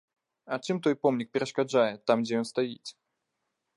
А чым той помнік перашкаджае там, дзе ён стаіць?